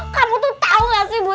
kamu tuh tau nggak sih buta